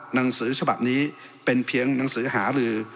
หนังสือฉบับนี้เป็นเพียงหนังสือหาลือ